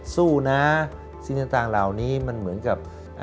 สู้นะสิ่งต่างเหล่านี้มันเหมือนกับ